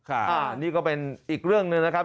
นี่ก็เป็นอีกเรื่องหนึ่งนะครับ